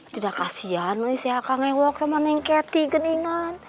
tidak kasihan sih akang ewok sama neng keti geningan